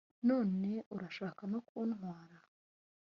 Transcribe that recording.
none urashaka no kuntwara